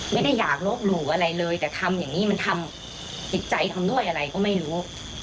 ไม่ได้อยากลบหลู่อะไรเลยแต่ทำอย่างนี้มันทำจิตใจทำด้วยอะไรก็ไม่รู้